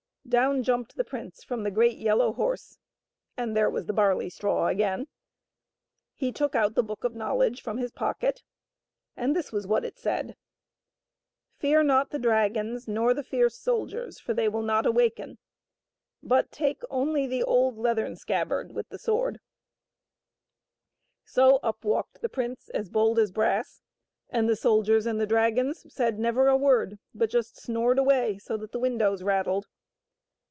Down jumped the prince from the great yellow horse, and there was the barley straw again. He took out the Book of Knowledge from his pocket, and this was what it said :'^ Fear not the dragons nor the fierce soldiers, for they will not awaken; but take only the old leathern scabbard with the sword'* So up walked the prince as bold as brass, and the soldiers and the dragons said never a word, but just snored away so that the windows rattled.